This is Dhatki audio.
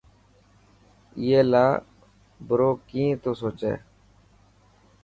اي لاءِ بريو ڪيسن تو سوچي.